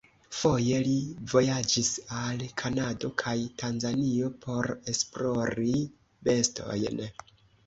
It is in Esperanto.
Foje li vojaĝis al Kanado kaj Tanzanio por esplori bestojn.